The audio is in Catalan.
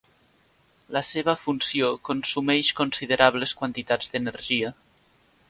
La seva funció consumeix considerables quantitats d'energia.